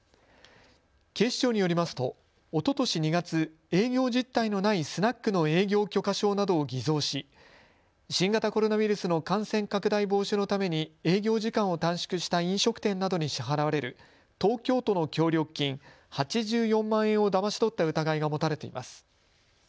警視庁によりますとおととし２月、営業実態のないスナックの営業許可証などを偽造し新型コロナウイルスの感染拡大防止のために営業時間を短縮した飲食店などに支払われる東京都の協力金８４万円をだまし取った疑いが持たれています。